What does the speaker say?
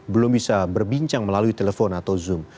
belum bisa berbincang melalui telepon atau zoom